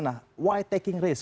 nah why taking risk